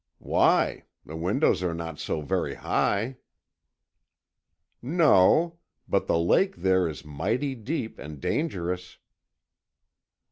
"Why? The windows are not so very high." "No. But the lake there is mighty deep and dangerous."